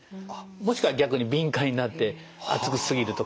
もしくは逆に敏感になって熱くし過ぎると感じたり